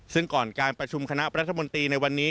ซึ่งก่อนการประชุมคณะรัฐมนตรีในวันนี้